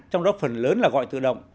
trong đó phần lớn là gọi tự động